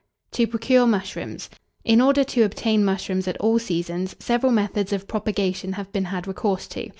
TO PROCURE MUSHROOMS. In order to obtain mushrooms at all seasons, several methods of propagation have been had recourse to.